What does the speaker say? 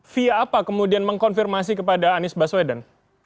via apa kemudian mengkonfirmasi kepada anies baswedan